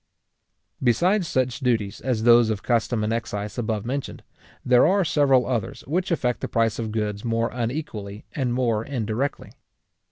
Besides such duties as those of custom and excise above mentioned, there are several others which affect the price of goods more unequally and more indirectly.